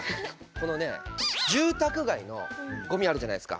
このね住宅街のごみあるじゃないですか。